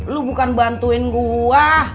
lu bukan bantuin gua